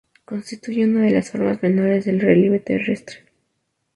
Constituye una de las formas menores del relieve terrestre.